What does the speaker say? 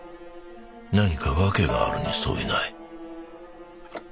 何か訳があるに相違ない。